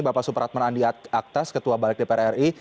bapak supratman andi aktas ketua balik dpr ri